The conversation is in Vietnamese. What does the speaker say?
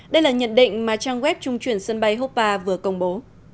đây là nhận định mà trang web trung chuyển sân bay hoppa vừa công bố